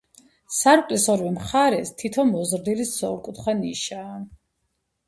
სარკმლის ორივე მხარეს თითო მოზრდილი სწორკუთხა ნიშაა.